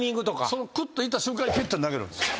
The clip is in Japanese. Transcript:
そのクッといった瞬間にヒュッと投げるんですよ。